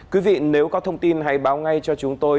quý vị nếu có thông tin hãy báo ngay cho chúng tôi